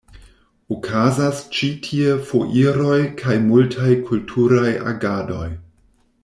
Okazas ĉi tie foiroj kaj multaj kulturaj agadoj.